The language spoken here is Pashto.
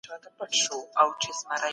استدلال بايد له بنديز څخه ازاد وي.